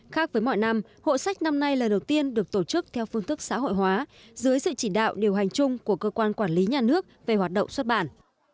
khác với mọi năm hội sách năm nay lần đầu tiên được tổ chức theo phương thức xã hội hóa dưới sự chỉ đạo điều hành chung của cơ quan quản lý nhà nước về hoạt động xuất bản